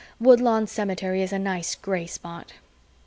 Woodlawn Cemetery is a nice gray spot.